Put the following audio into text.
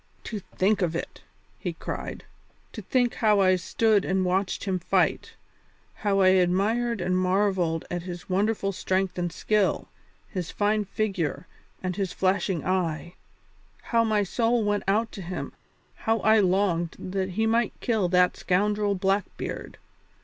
"To think of it!" he cried, "to think how I stood and watched him fight; how I admired and marvelled at his wonderful strength and skill, his fine figure, and his flashing eye! How my soul went out to him, how I longed that he might kill that scoundrel Blackbeard!